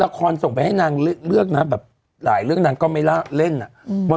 ส่งไปให้นางเลือกนะแบบหลายเรื่องนางก็ไม่ล่าเล่นอ่ะ